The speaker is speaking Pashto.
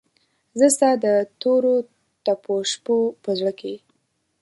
زه ستا دتوروتپوشپوپه زړه کې